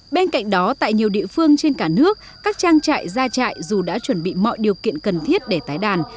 bên cạnh đó tại nhiều địa phương trên cả nước các trang trại gia trại dù đã chuẩn bị mọi điều kiện cần thiết để tái đàn